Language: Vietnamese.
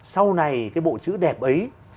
sau này cái bộ chữ đẹp ấy